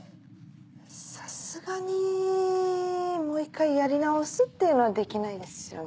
さすがにもう１回やり直すっていうのはできないですよね？